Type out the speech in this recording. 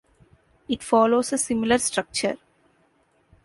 It follows a similar structure.